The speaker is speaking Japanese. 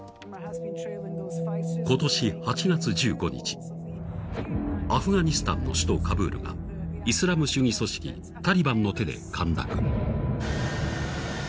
今年８月１５日、アフガニスタンの首都カブールがイスラム主義組織タリバンの手で陥落。